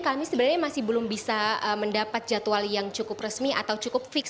kami sebenarnya masih belum bisa mendapat jadwal yang cukup resmi atau cukup fix